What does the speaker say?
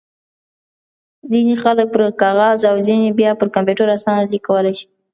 ځينې خلک پر کاغذ او ځينې بيا پر کمپيوټر اسانه ليک کولای شي.